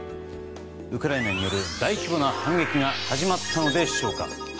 ウクライナによる大規模な反撃が始まったのでしょうか。